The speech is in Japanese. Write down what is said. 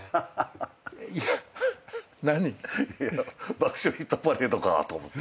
『爆笑ヒットパレード』かと思って。